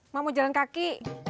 mak mau jalan kaki